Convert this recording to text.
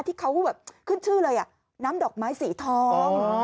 ที่เขาแบบขึ้นชื่อเลยน้ำดอกไม้สีทอง